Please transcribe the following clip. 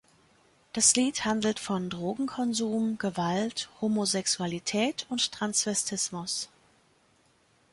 Das Lied handelt von Drogenkonsum, Gewalt, Homosexualität und Transvestismus.